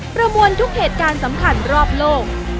ประมวลทุกเหตุการณ์สำคัญรอบโลก